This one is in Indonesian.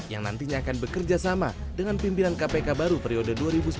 yang nantinya akan bekerja sama dengan pimpinan kpk baru periode dua ribu sembilan belas dua ribu dua puluh tiga